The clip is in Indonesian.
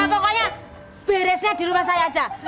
pokoknya beresnya di rumah saya aja